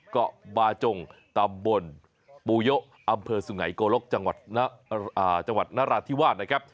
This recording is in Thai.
เกาะบาจงตำบลปูยะอำเภอสุไงโกลกจังหวัดนราธิวาสนะครับ